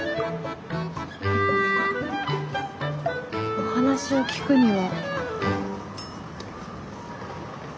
お話を聞くには。